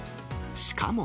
しかも。